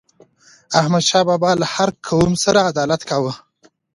احمد شاه بابا له هر قوم سره عدالت کاوه.